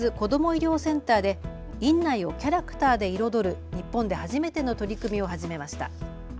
医療センターで院内をキャラクターで彩る日本で初めての取り組みを始めました。